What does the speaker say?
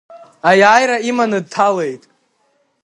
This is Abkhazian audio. Аиааира иманы дҭалеит…